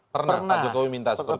pernah pak jokowi minta seperti itu